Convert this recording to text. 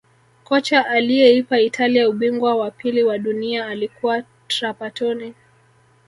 kocha aliyeipa italia ubingwa wa pili wa dunia alikuwa trapatoni